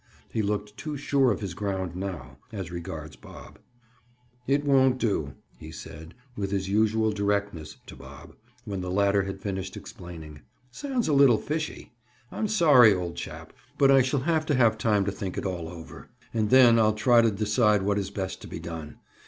He looked too sure of his ground now, as regards Bob. "It won't do," he said with his usual directness to Bob, when the latter had finished explaining. "Sounds a little fishy! I'm sorry, old chap, but I shall have to have time to think it all over. And then I'll try to decide what is best to be done.